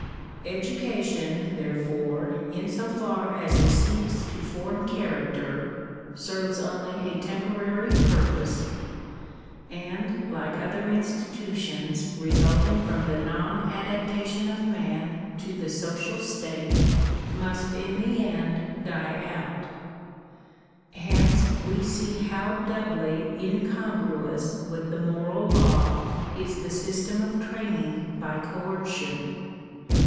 Education therefore, in so far as it seeks to form character, serves only a temporary purpose, and, like other institutions re* suiting from the non adaptation of man to the social state, must in the end die out Hence we see how doubly incongruous with the moral law, is the system of training by coercion.